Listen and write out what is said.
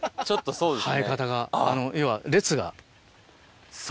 そうですね。